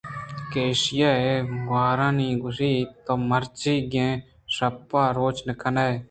کہ ایشیءَ گوٛرآئی گوٛشت: تو مرچیگیں شپ ءَ روچ نہ کن ئے